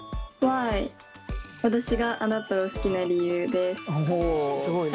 私があなたを『好き』な理由」です。